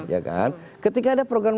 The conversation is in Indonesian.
ya kan ketika ada program